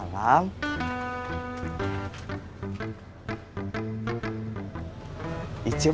pernah ke mana